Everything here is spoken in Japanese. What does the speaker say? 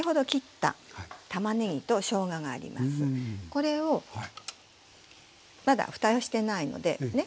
これをまだ蓋してないのでね